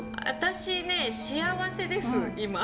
私ね幸せです今。